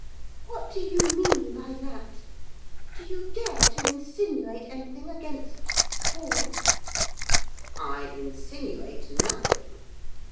'What do you mean by that? Do you dare to insinuate anything against Paul?' 'I insinuate nothing.